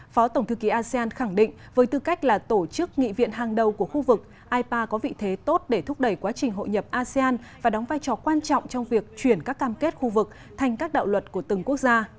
phó tổng thư ký asean khẳng định với tư cách là tổ chức nghị viện hàng đầu của khu vực ipa có vị thế tốt để thúc đẩy quá trình hội nhập asean và đóng vai trò quan trọng trong việc chuyển các cam kết khu vực thành các đạo luật của từng quốc gia